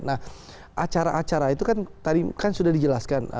nah acara acara itu kan tadi kan sudah dijelaskan